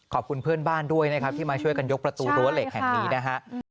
ขอบคุณเพื่อนบ้านด้วยนะครับที่มาช่วยกันยกประตูรั้วเหล็กแห่งนี้นะฮะ